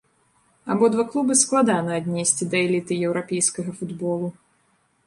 Абодва клубы складана аднесці да эліты еўрапейскага футболу.